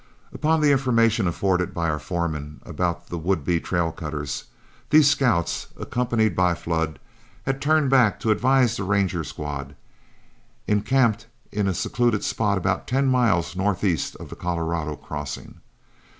Upon the information afforded by our foreman about the would be trail cutters, these scouts, accompanied by Flood, had turned back to advise the Ranger squad, encamped in a secluded spot about ten miles northeast of the Colorado crossing.